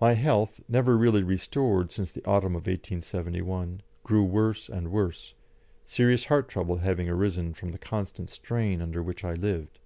My health, never really restored since the autumn of 1871, grew worse and worse, serious heart trouble having arisen from the constant strain under which I lived.